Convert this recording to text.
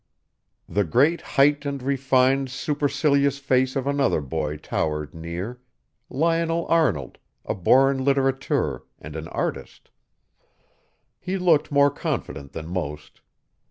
The great height and refined, supercilious face of another boy towered near Lionel Arnold, a born litterateur, and an artist he looked more confident than most.